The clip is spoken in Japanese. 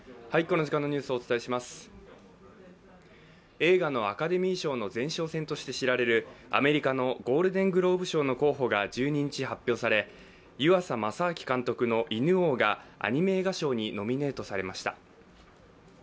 映画のアカデミー賞の前哨戦として知られるアメリカのゴールデングローブ賞の候補が１２日発表され、湯浅政明監督の「犬王」がアニメ映画賞にノミネートされました。